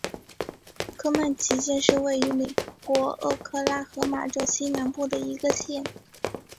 科曼奇县是位于美国俄克拉何马州西南部的一个县。